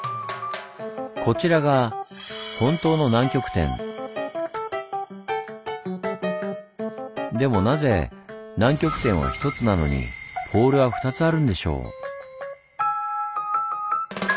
こちらがでもなぜ南極点は１つなのにポールは２つあるんでしょう？